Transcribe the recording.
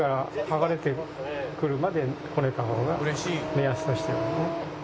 目安としてはね。